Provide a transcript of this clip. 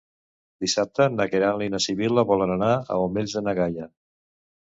Dissabte na Queralt i na Sibil·la volen anar als Omells de na Gaia.